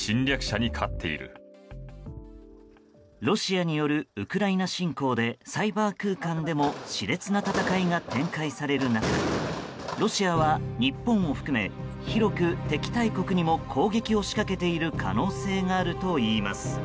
ロシアによるウクライナ侵攻でサイバー空間でも熾烈な戦いが展開される中ロシアは日本を含め広く敵対国にも攻撃を仕掛けている可能性があるといいます。